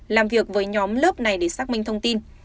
làm việc với nhóm lớp này để xác minh thông tin